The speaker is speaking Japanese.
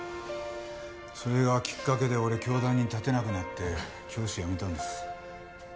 それがきっかけで俺教壇に立てなくなって教師辞めたんです。